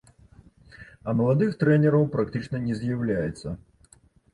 А маладых трэнераў практычна не з'яўляецца.